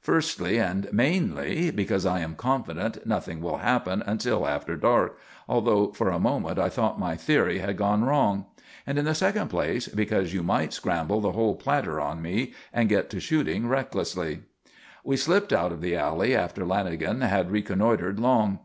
Firstly and mainly, because I am confident nothing will happen until after dark, although for a moment I thought my theory had gone wrong, and in the second place, because you might scramble the whole platter on me and get to shooting recklessly." We slipped out of the alley after Lanagan had reconnoitred long.